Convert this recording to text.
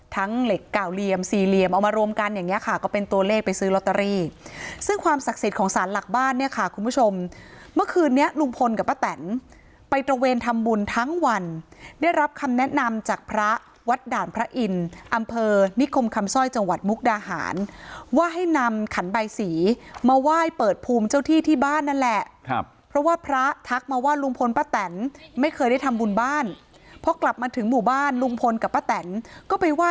ทั้งเหล็ก๙เหลี่ยม๔เหลี่ยมเอามารวมกันอย่างนี้ค่ะก็เป็นตัวเลขไปซื้อลอตเตอรี่ซึ่งความศักดิ์สิทธิ์ของสารหลักบ้านเนี่ยค่ะคุณผู้ชมเมื่อคืนนี้ลุงพลกับป้าแต๋นไปตระเวนทำบุญทั้งวันได้รับคำแนะนำจากพระวัดด่านพระอิ่นอำเภอนิคมคำสร้อยจังหวัดมุกดาหารว่าให้นำขันใบสีมาไหว้